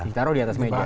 ditaruh di atas meja